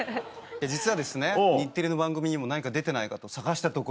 実は日テレの番組にも何か出てないかと探したところ